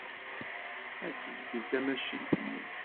Ad tezgel tamacint-nni.